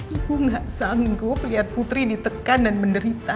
ibu gak sanggup lihat putri ditekan dan menderita